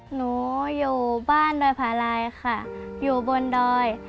หนูอยู่บ้านดอยผาลายค่ะอยู่บนดอย